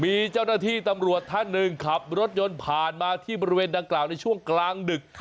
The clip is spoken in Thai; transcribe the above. มีเจ้าหน้าที่ตำรวจท่านหนึ่งขับรถยนต์ผ่านมาที่บริเวณดังกล่าวในช่วงกลางดึก